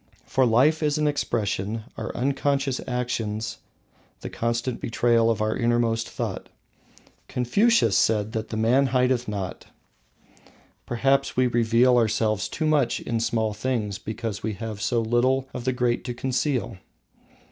For life is an expression, our unconscious actions the constant betrayal of our innermost thought. Confucius said that "man hideth not." Perhaps we reveal ourselves too much in small things because we have so little of the great to conceal.